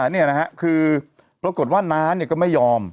อ๋อเนี่ยนะฮะคือปรากฏว่าน้านเนี่ยก็ไม่ยอม